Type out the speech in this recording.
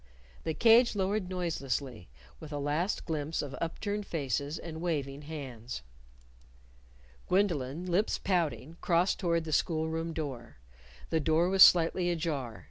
The cage lowered noiselessly, with a last glimpse of upturned faces and waving hands. Gwendolyn, lips pouting, crossed toward the school room door. The door was slightly ajar.